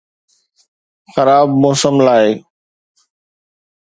خراب موسم لاء